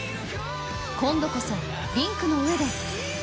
今度こそ、リンクの上で。